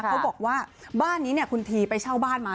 เขาบอกว่าบ้านนี้คุณทีไปเช่าบ้านมา